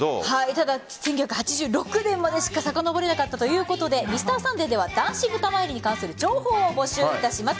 ただ、１９８６年までしかさかのぼれなかったということで「Ｍｒ．サンデー」ではダンシング玉入れに関する情報を募集いたします。